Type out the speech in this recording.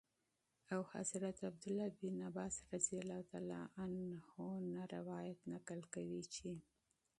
او حضرت عبدالله بن عباس رضي الله تعالى عنهم نه روايت نقل كوي چې :